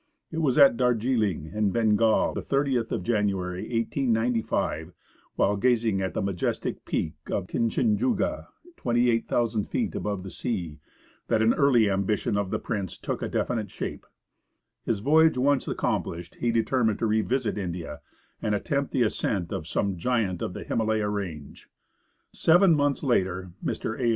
It was at Darjeeling, in Bengal, the 30th January, 1895, while gazing at the majestic peak of Kinchin junga (28,000 feet above the sea), that an early ambition of the Prince took a definite shape. His voyage once accomplished, he determined to revisit India and attempt the ascent of some giant of the Himalaya range. Seven months later, Mr. A.